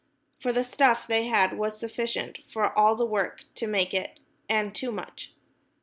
For the stuff they had was sufficient for all the work to make it, and too much.